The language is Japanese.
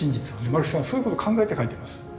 丸木さんはそういうことを考えて描いてます。